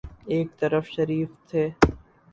ایک طرف شریف تھے۔